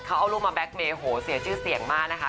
เขาเอารูปมาแก๊กเมย์โหเสียชื่อเสียงมากนะคะ